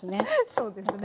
そうですね。